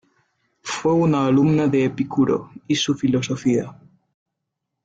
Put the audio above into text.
Fue una alumna de Epicuro y su filosofía.